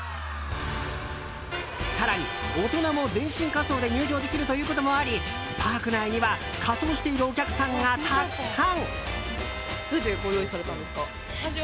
更に、大人も全身仮装で入場できるということもありパーク内には仮装しているお客さんがたくさん！